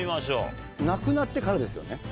亡くなってからですよね？